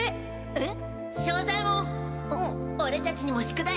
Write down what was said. えっ！？